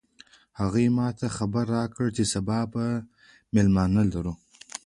هغې ما ته خبر راکړ چې سبا به مېلمانه لرو